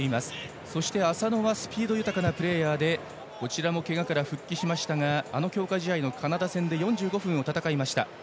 そして、浅野はスピード豊かなプレーヤーでこちらもけがから復帰しましたが強化試合のカナダ戦で４５分を戦いました。